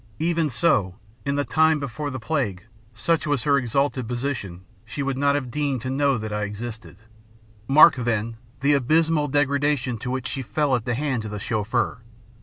Even so, in the time before the plague, such was her exalted position, she would not have deigned to know that I existed. Mark, then, the abysmal degradation to which she fell at the hands of the Chauffeur.